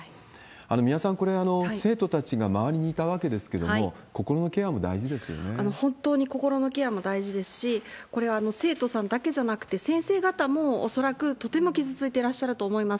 三輪さん、これ、生徒たちが周りにいたわけですけれども、心のケアも大事で本当に心のケアも大事ですし、これは生徒さんだけじゃなくて、先生方も恐らくとても傷ついてらっしゃると思います。